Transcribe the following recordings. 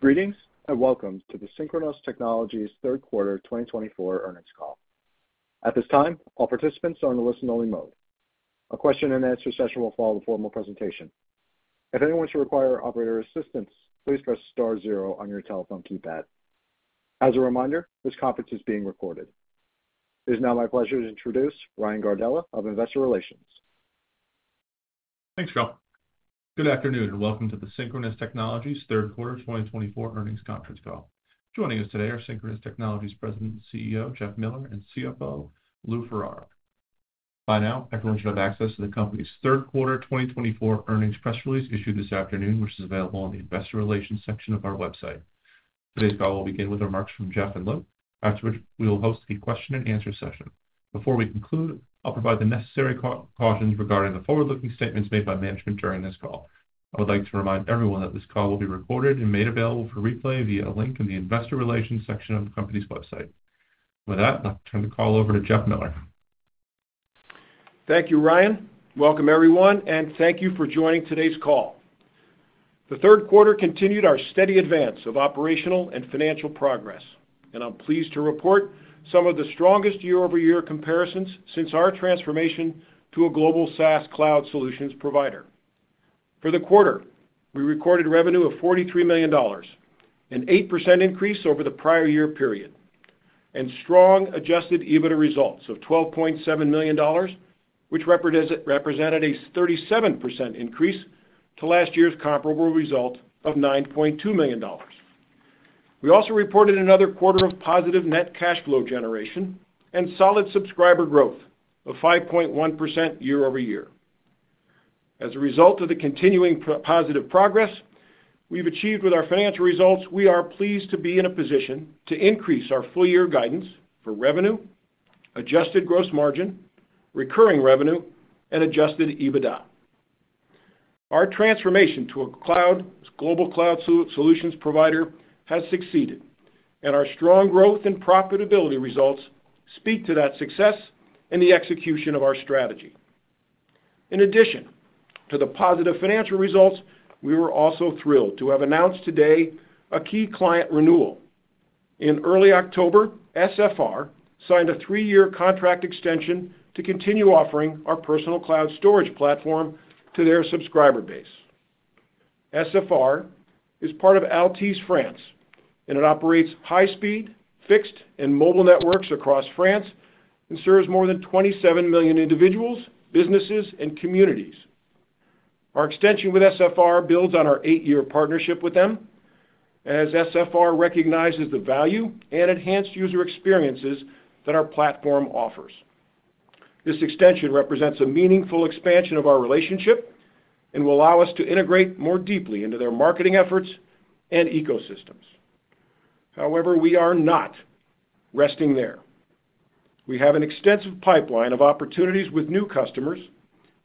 Greetings and welcome to the Synchronoss Technologies third quarter 2024 earnings call. At this time, all participants are in a listen-only mode. A question-and-answer session will follow the formal presentation. If anyone should require operator assistance, please press star zero on your telephone keypad. As a reminder, this conference is being recorded. It is now my pleasure to introduce Ryan Gardella of Investor Relations. Thanks, Phil. Good afternoon and welcome to the Synchronoss Technologies third quarter 2024 earnings conference call. Joining us today are Synchronoss Technologies President and CEO, Jeff Miller, and CFO, Lou Ferraro. By now, everyone should have access to the company's third quarter 2024 earnings press release issued this afternoon, which is available on the Investor Relations section of our website. Today's call will begin with remarks from Jeff and Lou, after which we will host a question-and-answer session. Before we conclude, I'll provide the necessary cautions regarding the forward-looking statements made by management during this call. I would like to remind everyone that this call will be recorded and made available for replay via a link in the Investor Relations section of the company's website. With that, I'll turn the call over to Jeff Miller. Thank you, Ryan. Welcome, everyone, and thank you for joining today's call. The third quarter continued our steady advance of operational and financial progress, and I'm pleased to report some of the strongest year-over-year comparisons since our transformation to a global SaaS cloud solutions provider. For the quarter, we recorded revenue of $43 million, an 8% increase over the prior year period, and strong adjusted EBITDA results of $12.7 million, which represented a 37% increase to last year's comparable result of $9.2 million. We also reported another quarter of positive net cash flow generation and solid subscriber growth of 5.1% year-over-year. As a result of the continuing positive progress we've achieved with our financial results, we are pleased to be in a position to increase our full-year guidance for revenue, adjusted gross margin, recurring revenue, and adjusted EBITDA. Our transformation to a global cloud solutions provider has succeeded, and our strong growth and profitability results speak to that success and the execution of our strategy. In addition to the positive financial results, we were also thrilled to have announced today a key client renewal. In early October, SFR signed a three-year contract extension to continue offering our personal cloud storage platform to their subscriber base. SFR is part of Altice France, and it operates high-speed, fixed, and mobile networks across France and serves more than 27 million individuals, businesses, and communities. Our extension with SFR builds on our eight-year partnership with them, as SFR recognizes the value and enhanced user experiences that our platform offers. This extension represents a meaningful expansion of our relationship and will allow us to integrate more deeply into their marketing efforts and ecosystems. However, we are not resting there. We have an extensive pipeline of opportunities with new customers,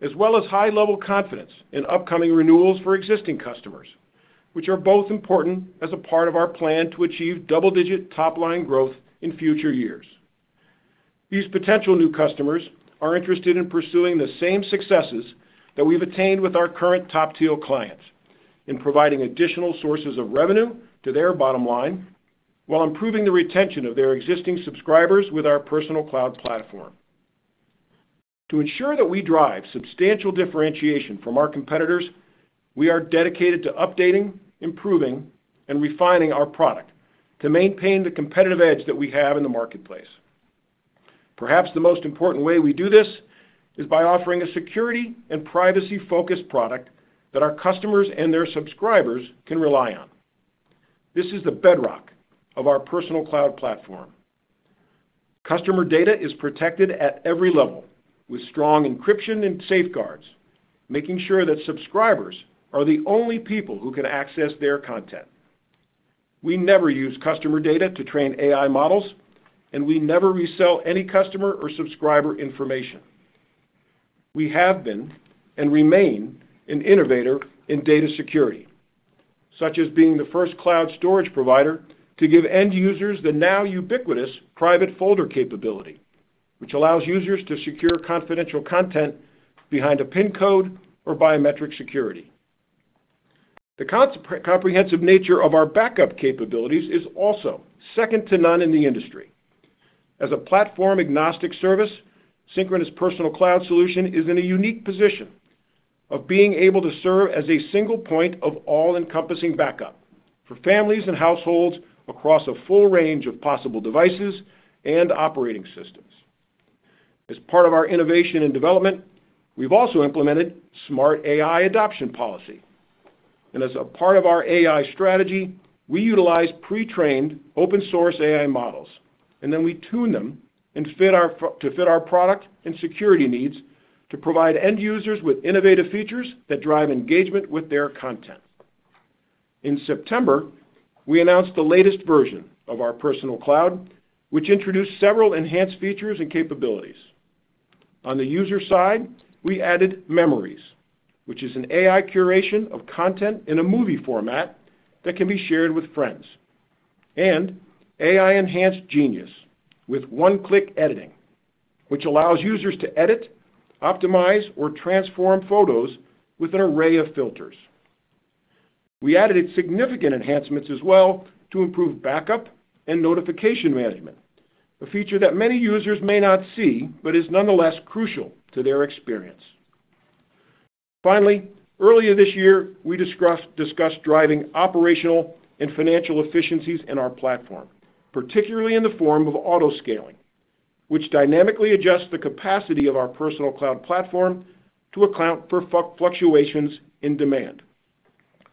as well as high-level confidence in upcoming renewals for existing customers, which are both important as a part of our plan to achieve double-digit top-line growth in future years. These potential new customers are interested in pursuing the same successes that we've attained with our current top-tier clients in providing additional sources of revenue to their bottom line while improving the retention of their existing subscribers with our personal cloud platform. To ensure that we drive substantial differentiation from our competitors, we are dedicated to updating, improving, and refining our product to maintain the competitive edge that we have in the marketplace. Perhaps the most important way we do this is by offering a security and privacy-focused product that our customers and their subscribers can rely on. This is the bedrock of our personal cloud platform. Customer data is protected at every level with strong encryption and safeguards, making sure that subscribers are the only people who can access their content. We never use customer data to train AI models, and we never resell any customer or subscriber information. We have been and remain an innovator in data security, such as being the first cloud storage provider to give end users the now-ubiquitous private folder capability, which allows users to secure confidential content behind a PIN code or biometric security. The comprehensive nature of our backup capabilities is also second to none in the industry. As a platform-agnostic service, Synchronoss Personal Cloud Solution is in a unique position of being able to serve as a single point of all-encompassing backup for families and households across a full range of possible devices and operating systems. As part of our innovation and development, we've also implemented smart AI adoption policy. As a part of our AI strategy, we utilize pre-trained open-source AI models, and then we tune them to fit our product and security needs to provide end users with innovative features that drive engagement with their content. In September, we announced the latest version of our personal cloud, which introduced several enhanced features and capabilities. On the user side, we added Memories, which is an AI curation of content in a movie format that can be shared with friends, and AI Enhanced Genius with one-click editing, which allows users to edit, optimize, or transform photos with an array of filters. We added significant enhancements as well to improve backup and notification management, a feature that many users may not see but is nonetheless crucial to their experience. Finally, earlier this year, we discussed driving operational and financial efficiencies in our platform, particularly in the form of autoscaling, which dynamically adjusts the capacity of our personal cloud platform to account for fluctuations in demand.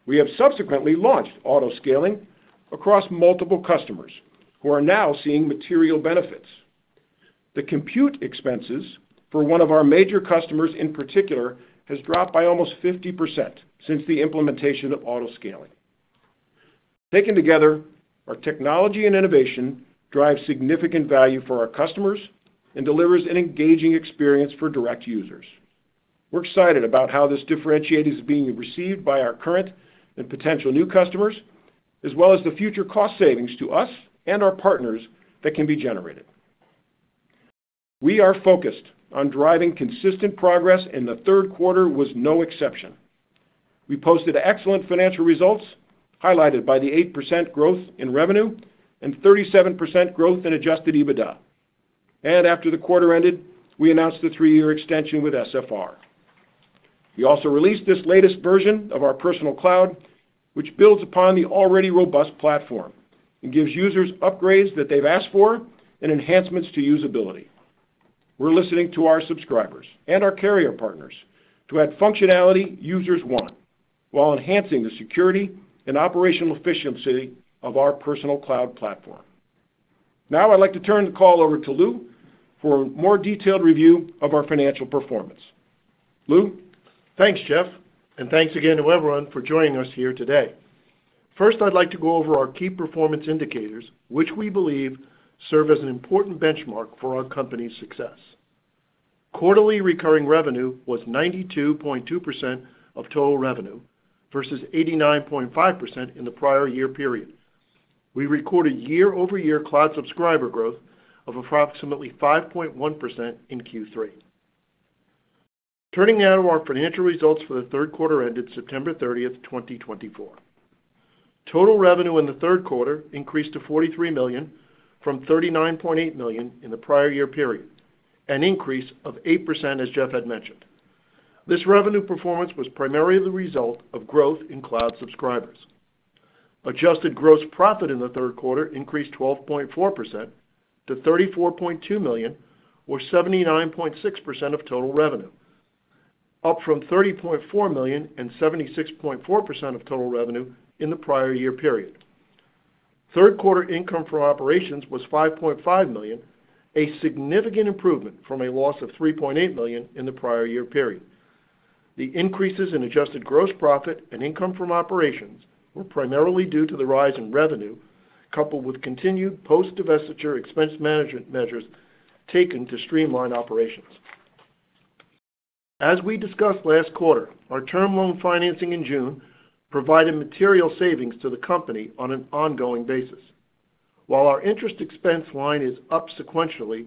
We have subsequently launched autoscaling across multiple customers who are now seeing material benefits. The compute expenses for one of our major customers in particular have dropped by almost 50% since the implementation of autoscaling. Taken together, our technology and innovation drive significant value for our customers and deliver an engaging experience for direct users. We're excited about how this differentiation is being received by our current and potential new customers, as well as the future cost savings to us and our partners that can be generated. We are focused on driving consistent progress, and the third quarter was no exception. We posted excellent financial results highlighted by the 8% growth in revenue and 37% growth in Adjusted EBITDA, and after the quarter ended, we announced the three-year extension with SFR. We also released this latest version of our personal cloud, which builds upon the already robust platform and gives users upgrades that they've asked for and enhancements to usability. We're listening to our subscribers and our carrier partners to add functionality users want while enhancing the security and operational efficiency of our personal cloud platform. Now, I'd like to turn the call over to Lou for a more detailed review of our financial performance. Lou, thanks, Jeff, and thanks again to everyone for joining us here today. First, I'd like to go over our key performance indicators, which we believe serve as an important benchmark for our company's success. Quarterly recurring revenue was 92.2% of total revenue versus 89.5% in the prior year period. We recorded year-over-year cloud subscriber growth of approximately 5.1% in Q3. Turning now to our financial results for the third quarter ended September 30th, 2024. Total revenue in the third quarter increased to $43 million from $39.8 million in the prior year period, an increase of 8%, as Jeff had mentioned. This revenue performance was primarily the result of growth in cloud subscribers. Adjusted gross profit in the third quarter increased 12.4% to $34.2 million, or 79.6% of total revenue, up from $30.4 million and 76.4% of total revenue in the prior year period. Third quarter income from operations was $5.5 million, a significant improvement from a loss of $3.8 million in the prior year period. The increases in adjusted gross profit and income from operations were primarily due to the rise in revenue coupled with continued post-divestiture expense management measures taken to streamline operations. As we discussed last quarter, our term loan financing in June provided material savings to the company on an ongoing basis. While our interest expense line is up sequentially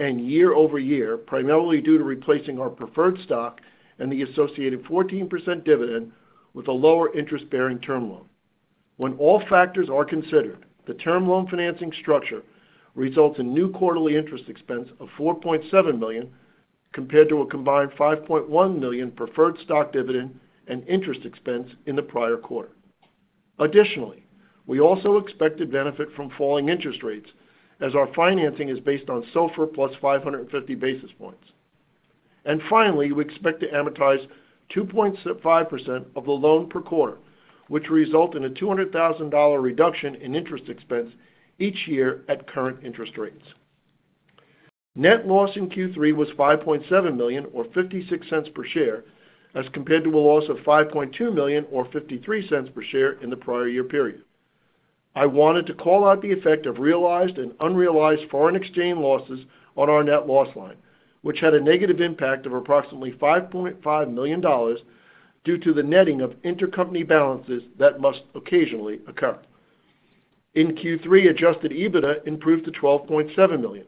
and year-over-year, primarily due to replacing our preferred stock and the associated 14% dividend with a lower interest-bearing term loan. When all factors are considered, the term loan financing structure results in new quarterly interest expense of $4.7 million compared to a combined $5.1 million preferred stock dividend and interest expense in the prior quarter. Additionally, we also expected benefit from falling interest rates as our financing is based on SOFR plus 550 basis points. Finally, we expect to amortize 2.5% of the loan per quarter, which results in a $200,000 reduction in interest expense each year at current interest rates. Net loss in Q3 was $5.7 million, or $0.56 per share, as compared to a loss of $5.2 million, or $0.53 per share in the prior year period. I wanted to call out the effect of realized and unrealized foreign exchange losses on our net loss line, which had a negative impact of approximately $5.5 million due to the netting of intercompany balances that must occasionally occur. In Q3, adjusted EBITDA improved to $12.7 million,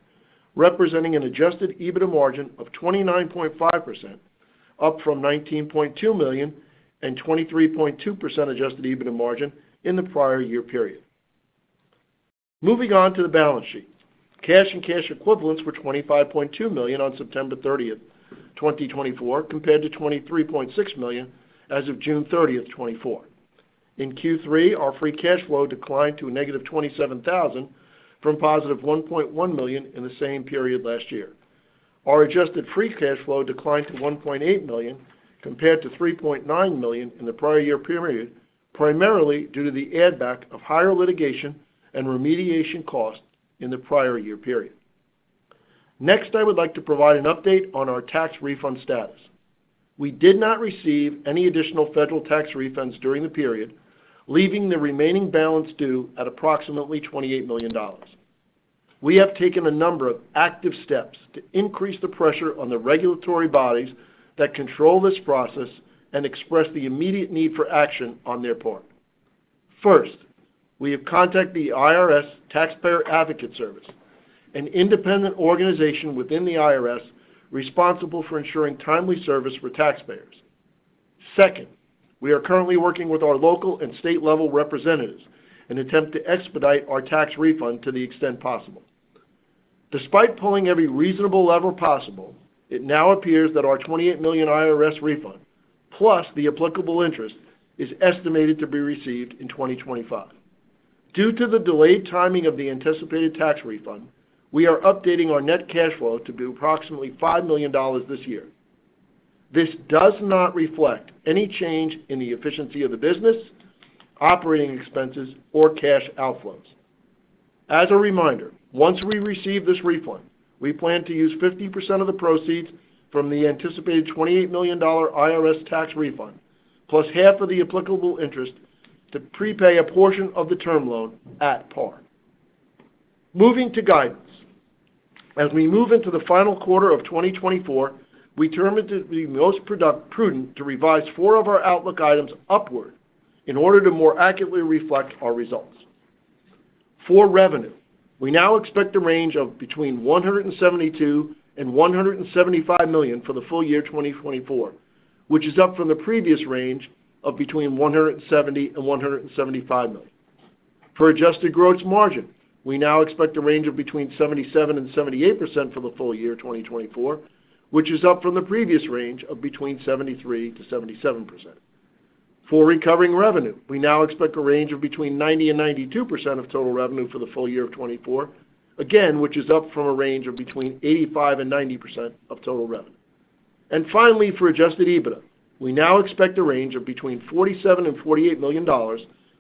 representing an adjusted EBITDA margin of 29.5%, up from $19.2 million and 23.2% adjusted EBITDA margin in the prior year period. Moving on to the balance sheet, cash and cash equivalents were $25.2 million on September 30th, 2024, compared to $23.6 million as of June 30th, 2024. In Q3, our free cash flow declined to a negative $27,000 from positive $1.1 million in the same period last year. Our adjusted free cash flow declined to $1.8 million compared to $3.9 million in the prior year period, primarily due to the add-back of higher litigation and remediation costs in the prior year period. Next, I would like to provide an update on our tax refund status. We did not receive any additional federal tax refunds during the period, leaving the remaining balance due at approximately $28 million. We have taken a number of active steps to increase the pressure on the regulatory bodies that control this process and express the immediate need for action on their part. First, we have contacted the IRS Taxpayer Advocate Service, an independent organization within the IRS responsible for ensuring timely service for taxpayers. Second, we are currently working with our local and state-level representatives in an attempt to expedite our tax refund to the extent possible. Despite pulling every reasonable level possible, it now appears that our $28 million IRS refund, plus the applicable interest, is estimated to be received in 2025. Due to the delayed timing of the anticipated tax refund, we are updating our net cash flow to be approximately $5 million this year. This does not reflect any change in the efficiency of the business, operating expenses, or cash outflows. As a reminder, once we receive this refund, we plan to use 50% of the proceeds from the anticipated $28 million IRS tax refund, plus half of the applicable interest, to prepay a portion of the term loan at par. Moving to guidance. As we move into the final quarter of 2024, we determined it would be most prudent to revise four of our outlook items upward in order to more accurately reflect our results. For revenue, we now expect a range of between 172 and 175 million for the full year 2024, which is up from the previous range of between 170 and 175 million. For adjusted gross margin, we now expect a range of between 77% and 78% for the full year 2024, which is up from the previous range of between 73% and 77%. For recurring revenue, we now expect a range of between 90% and 92% of total revenue for the full year of 2024, again, which is up from a range of between 85% and 90% of total revenue. And finally, for Adjusted EBITDA, we now expect a range of between $47 and $48 million,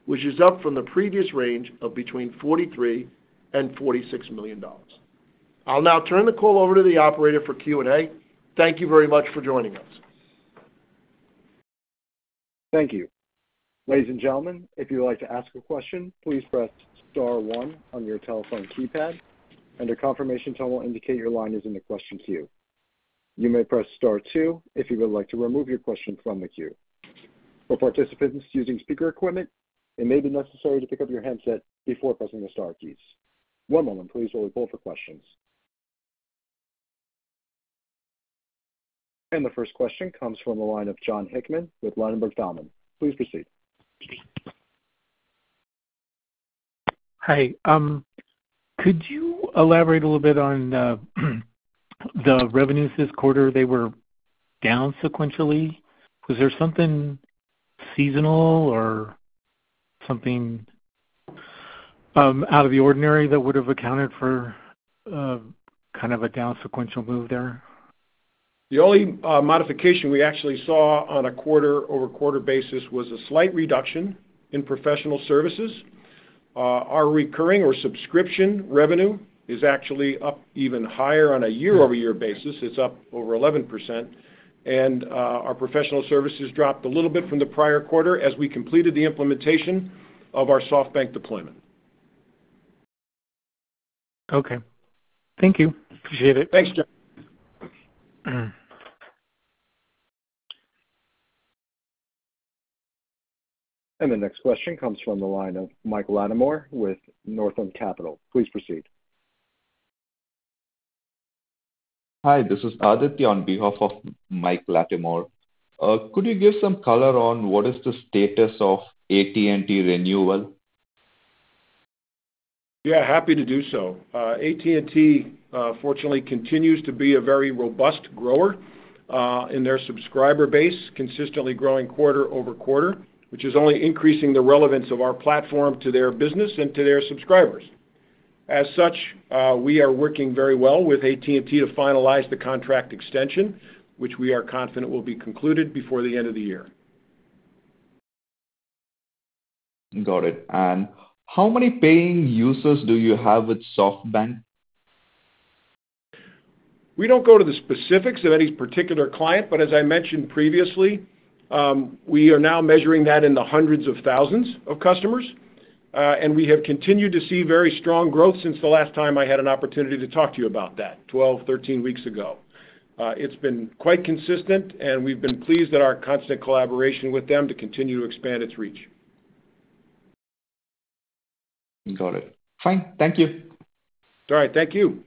which is up from the previous range of between $43 and $46 million. I'll now turn the call over to the operator for Q&A. Thank you very much for joining us. Thank you. Ladies and gentlemen, if you would like to ask a question, please press star one on your telephone keypad, and a confirmation tonal will indicate your line is in the question queue. You may press star two if you would like to remove your question from the queue. For participants using speaker equipment, it may be necessary to pick up your handset before pressing the Star keys. One moment, please, while we pull up the questions. The first question comes from the line of Jon Hickman with Ladenburg Thalmann. Please proceed. Hi. Could you elaborate a little bit on the revenues this quarter? They were down sequentially. Was there something seasonal or something out of the ordinary that would have accounted for kind of a down sequential move there? The only modification we actually saw on a quarter-over-quarter basis was a slight reduction in professional services. Our recurring or subscription revenue is actually up even higher on a year-over-year basis. It's up over 11%. Our professional services dropped a little bit from the prior quarter as we completed the implementation of our SoftBank deployment. Okay. Thank you. Appreciate it. Thanks, Jon The next question comes from the line of Mike Latimore with Northland Capital. Please proceed. Hi. This is Ardit on behalf of Mike Latimore. Could you give some color on what is the status of AT&T Renewal? Yeah. Happy to do so. AT&T, fortunately, continues to be a very robust grower in their subscriber base, consistently growing quarter over quarter, which is only increasing the relevance of our platform to their business and to their subscribers. As such, we are working very well with AT&T to finalize the contract extension, which we are confident will be concluded before the end of the year. Got it. And how many paying users do you have with SoftBank? We don't go to the specifics of any particular client, but as I mentioned previously, we are now measuring that in the hundreds of thousands of customers. And we have continued to see very strong growth since the last time I had an opportunity to talk to you about that, 12, 13 weeks ago. It's been quite consistent, and we've been pleased at our constant collaboration with them to continue to expand its reach. Got it. Fine. Thank you. All right. Thank you.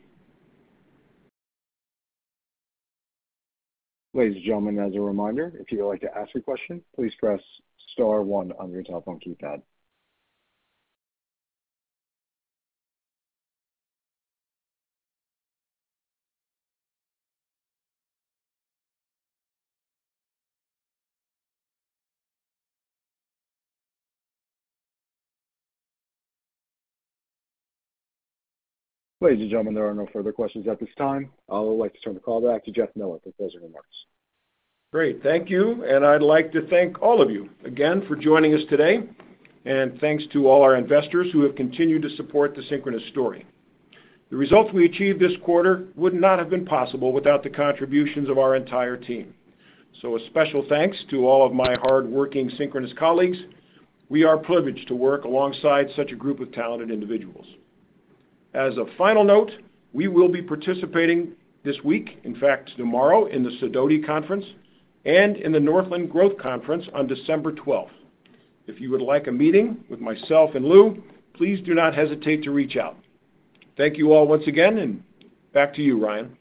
Ladies and gentlemen, as a reminder, if you would like to ask a question, please press Star 1 on your telephone keypad. Ladies and gentlemen, there are no further questions at this time. I would like to turn the call back to Jeff Miller for closing remarks. Great. Thank you. And I'd like to thank all of you again for joining us today. And thanks to all our investors who have continued to support the Synchronoss Story. The results we achieved this quarter would not have been possible without the contributions of our entire team. So a special thanks to all of my hardworking Synchronoss colleagues. We are privileged to work alongside such a group of talented individuals. As a final note, we will be participating this week, in fact, tomorrow, in the Sidoti Conference and in the Northland Growth Conference on December 12th. If you would like a meeting with myself and Lou, please do not hesitate to reach out. Thank you all once again, and back to you, Ryan.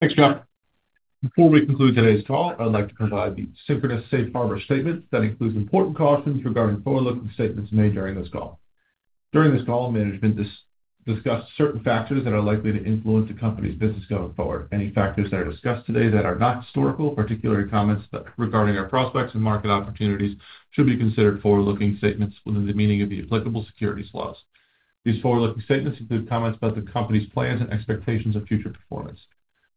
Thanks, Jeff. Before we conclude today's call, I'd like to provide the Synchronoss Safe Harbor statement that includes important cautions regarding forward-looking statements made during this call. During this call, management discussed certain factors that are likely to influence the company's business going forward. Any factors that are discussed today that are not historical, particularly comments regarding our prospects and market opportunities, should be considered forward-looking statements within the meaning of the applicable securities laws. These forward-looking statements include comments about the company's plans and expectations of future performance.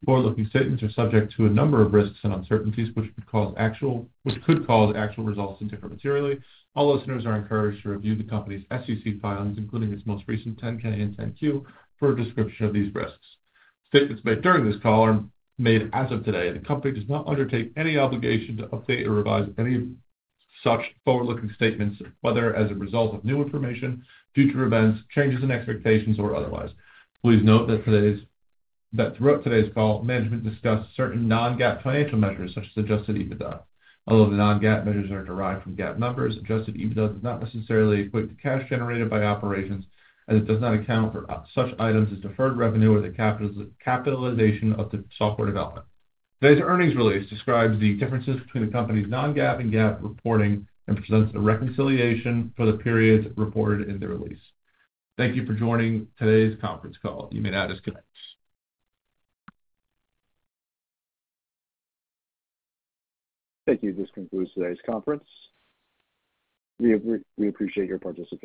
Forward-looking statements are subject to a number of risks and uncertainties, which could cause actual results to differ materially. All listeners are encouraged to review the company's SEC filings, including its most recent 10-K and 10-Q, for a description of these risks. Statements made during this call are made as of today. The company does not undertake any obligation to update or revise any such forward-looking statements, whether as a result of new information, future events, changes in expectations, or otherwise. Please note that throughout today's call, management discussed certain non-GAAP financial measures, such as Adjusted EBITDA. Although the non-GAAP measures are derived from GAAP numbers, Adjusted EBITDA does not necessarily equate to cash generated by operations, and it does not account for such items as deferred revenue or the capitalization of the software development. Today's earnings release describes the differences between the company's non-GAAP and GAAP reporting and presents a reconciliation for the periods reported in the release. Thank you for joining today's conference call. You may now disconnect. Thank you. This concludes today's conference. We appreciate your participation.